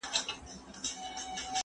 زه هره ورځ پاکوالي ساتم!